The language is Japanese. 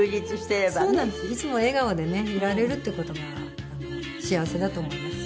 いつも笑顔でねいられるっていう事が幸せだと思います。